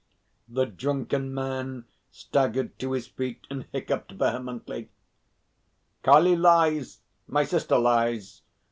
The drunken Man staggered to his feet, and hiccupped vehemently. "Kali lies. My sister lies.